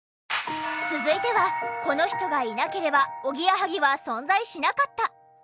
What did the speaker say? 続いてはこの人がいなければおぎやはぎは存在しなかった！？